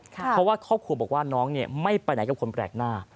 เพราะว่าครอบครัวบอกว่าน้องไม่ไปไหนกับคนแปลกหน้า